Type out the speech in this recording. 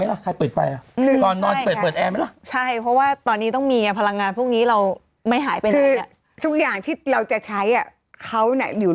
เราค่อยเนี่ยเราก็มีฝันได้ทุกคน